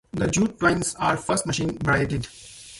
The jute twines are first machine-braided.